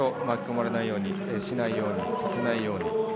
巻き込まれないようにさせないように、しないように。